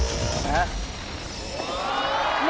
อ๋อนี่คือร้านเดียวกันเหรออ๋อนี่คือร้านเดียวกันเหรอ